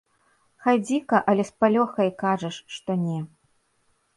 Хай дзіка, але з палёгкай кажаш, што не.